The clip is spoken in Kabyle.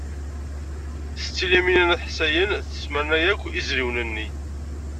Setti Lyamina n At Ḥsayen tesmerna akk izwilen-nni.